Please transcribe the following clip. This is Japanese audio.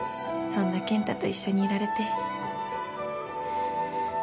そんな健太と一緒にいられて。